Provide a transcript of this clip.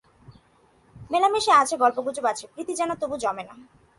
মেলামেশা আছে, গল্পগুজব আরছে, প্রীতি যেন তবু জমে না।